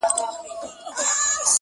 لاس زما مه نيسه چي اور وانـــخــلـې.